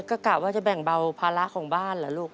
ก็กะว่าจะแบ่งเบาภาระของบ้านเหรอลูก